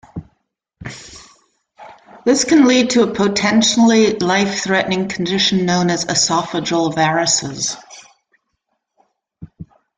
This can lead to a potentially life-threatening condition known as esophageal varices.